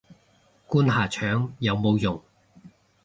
灌下腸有冇用